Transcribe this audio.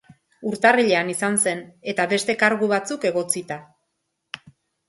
Urtarrilean izan zen, eta beste kargu batzuk egotzita.